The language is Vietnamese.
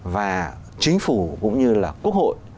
và chính phủ cũng như là quốc hội